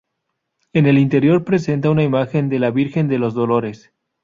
En el interior presenta una imagen de la Virgen de los Dolores.